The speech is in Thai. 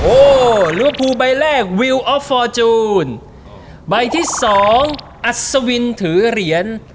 โอ้ลูปภูใบแรกวิวออฟฟอร์จูนใบที่สองอัสวินถือเหรียญ